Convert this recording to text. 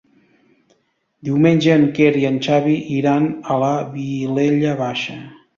Diumenge en Quer i en Xavi iran a la Vilella Baixa.